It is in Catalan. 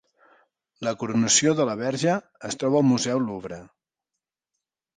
La "Coronació de la Verge" es troba al museu Louvre